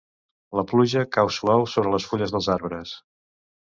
La pluja cau suau sobre les fulles dels arbres.